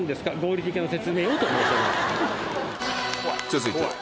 続いては